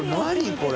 これ！